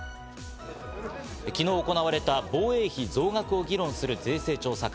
昨日行われた防衛費増額を議論する税制調査会。